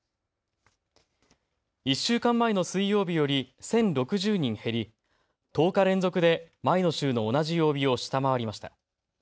１週間前の水曜日より１０６０人減り１０日連続で前の週の同じ曜日を下回りました。